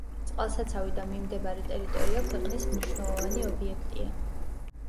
წყალსაცავი და მიმდებარე ტერიტორია ქვეყნის მნიშვნელოვანი ობიექტია.